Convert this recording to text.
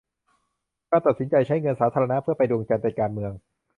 การตัดสินใจใช้เงินสาธารณะเพื่อไปดวงจันทร์ เป็นการเมือง